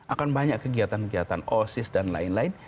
akan banyak kegiatan kegiatan osis dan lain lain